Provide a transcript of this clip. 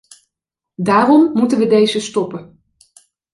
Daarom moeten we deze stoppen.